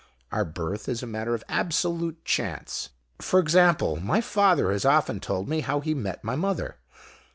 Our birth is a matter of absolute chance. For example, my father has often told me how he met my mother.